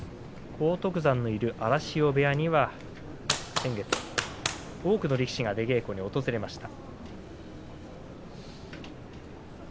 荒篤山がいる荒汐部屋には先月、多くの力士が出稽古に訪れました。